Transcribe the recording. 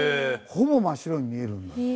ほぼ真っ白に見えるんだよ。